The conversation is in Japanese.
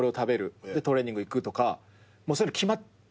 トレーニング行くとかそういうの決まってるんすよ